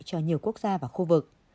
cho nhiều quốc gia và khu vực